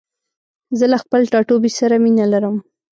زه له خپل ټاټوبي سره مينه لرم.